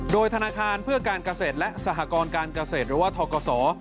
โดยธนาคารเพื่อการเกษตรและสหกรการเกษตรหรือว่าทกศ